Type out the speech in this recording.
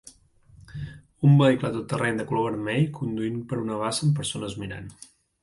Un vehicle tot terreny de color vermell conduint per una bassa amb persones mirant.